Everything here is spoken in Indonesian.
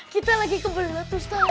kita lagi ke belet tuh sekarang